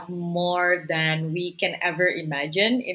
berkualitas kami memiliki lebih